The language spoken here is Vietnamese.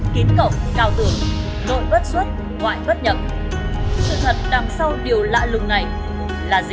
kiến cẩu cao tưởng nội bất xuất ngoại bất nhậm sự thật đằng sau điều lạ lùng này là gì